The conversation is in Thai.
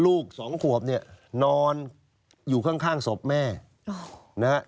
ลูกสองขวบเนี่ยนอนอยู่ข้างศพแม่นะฮะ